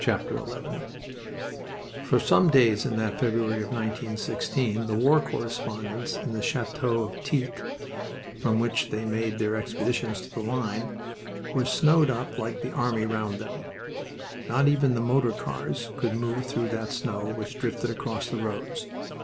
XI For some days in that February of 1916 the war correspondents in the Chateau of Tilques, from which they made their expeditions to the line, were snowed up like the army round them. Not even the motor cars could move through that snow which drifted across the roads.